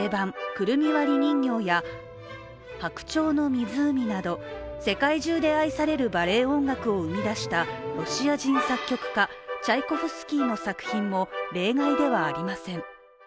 「くるみ割り人形」や「白鳥の湖」など、世界中で愛されるバレエ音楽を生み出したロシア人作曲家・チャイコフスキーの作品も例外ではありません。